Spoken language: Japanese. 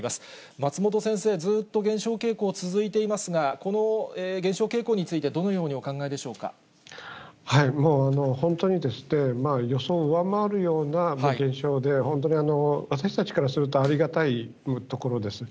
松本先生、ずっと減少傾向続いていますが、この減少傾向について、どのようもう本当に、予想を上回るような減少で、本当に私たちからすると、ありがたいところです。